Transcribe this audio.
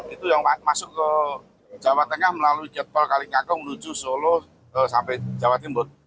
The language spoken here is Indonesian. itu yang masuk ke jawa tengah melalui jetpol kalikangkung menuju solo sampai jawa timur